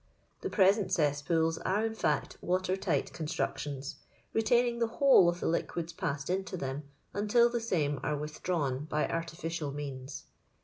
The present cesspools are, in fiict, water tight eonstmetiofis, retaining the whole of the liquids passed into them until the same are withdrawn by artificial means.